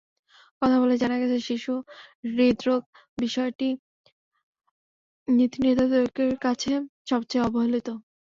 কথা বলে জানা গেছে, শিশু হৃদ্রোগ বিষয়টি নীতিনির্ধারকদের কাছে সবচেয়ে অবহেলিত।